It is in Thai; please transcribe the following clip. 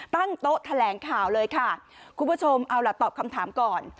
ตั้งโต๊ะแถลงข่าวเลยค่ะคุณผู้ชมเอาล่ะตอบคำถามก่อน